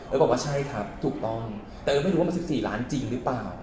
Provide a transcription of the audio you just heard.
บอกว่าใช่ครับถูกต้องเตยไม่รู้ว่ามัน๑๔ล้านจริงหรือเปล่า